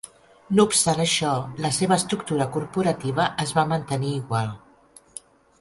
No obstant això, la seva estructura corporativa es va mantenir igual.